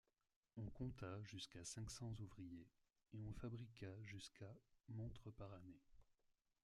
On compta jusqu'à cinq cents ouvriers et on fabriqua jusqu'à montres par année.